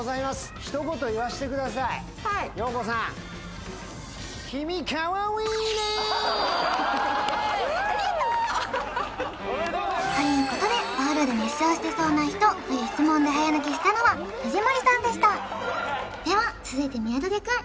今回はいということでお風呂で熱唱してそうな人という質問で早抜けしたのは藤森さんでしたでは続いて宮舘くん